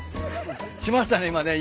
しましたね